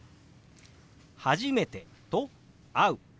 「初めて」と「会う」。